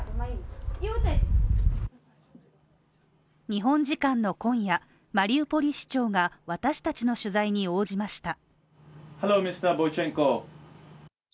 日本時間の今夜、マリウポリ市長が私達の取材に応じました。